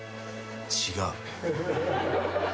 違う？